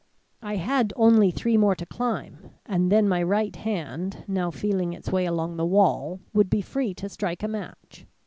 I had only three more to climb and then my right hand, now feeling its way along the wall, would be free to strike a match.